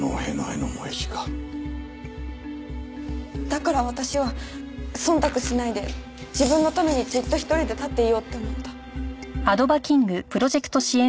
だから私は忖度しないで自分のためにじっと一人で立っていようって思った。